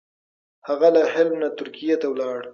هغه له حلب نه ترکیې ته ولاړ.